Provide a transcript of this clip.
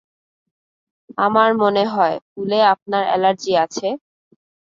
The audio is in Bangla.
আমার মনে হয়, ফুলে আপনার এলার্জি আছে?